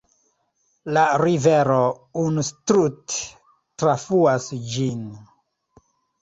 La rivero Unstrut trafluas ĝin.